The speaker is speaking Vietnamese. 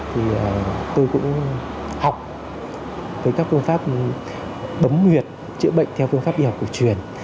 thì tôi cũng học với các phương pháp bấm huyệt chữa bệnh theo phương pháp y học của chuyên